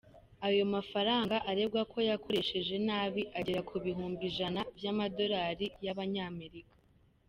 Ayo mafranga aregwa ko yakoresheje nabi agera ku bihumbi jana vy'amadorari y'Abanyamerika.